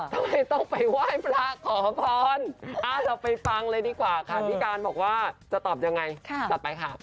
ทำไมต้องไปไหว้พระขอพรเราไปฟังเลยดีกว่าค่ะพี่การบอกว่าจะตอบยังไงต่อไปค่ะ